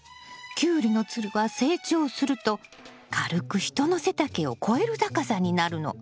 キュウリのつるは成長すると軽く人の背丈を越える高さになるの。